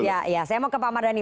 saya mau ke pak madani